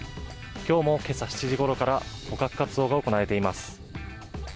きょうもけさ７時ごろから、捕獲活動が行われています。